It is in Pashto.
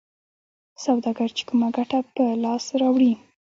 سوداګر چې کومه ګټه په لاس راوړي